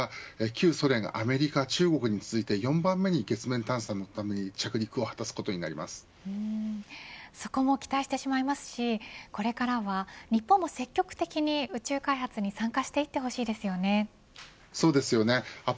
順調にいけば日本が、旧ソ連アメリカ、中国に続いて４番目に月面探査のためにそこも期待してしまいますしこれからは、日本も積極的に宇宙開発にそうですよね。